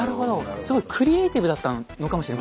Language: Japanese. すごいクリエイティブだったのかもしれませんね。